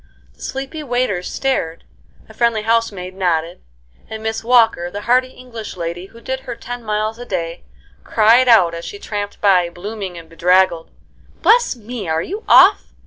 The sleepy waiters stared, a friendly housemaid nodded, and Miss Walker, the hearty English lady who did her ten miles a day, cried out, as she tramped by, blooming and bedraggled: "Bless me, are you off?"